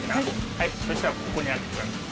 はいそしたらここに上げてください。